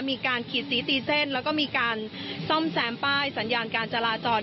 มีการขีดสีตีเส้นแล้วก็มีการซ่อมแซมป้ายสัญญาณการจราจร